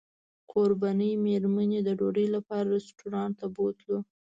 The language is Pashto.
کوربنې مېرمنې د ډوډۍ لپاره رسټورانټ ته بوتلو.